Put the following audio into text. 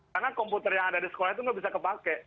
karena komputer yang ada di sekolah itu nggak bisa kepake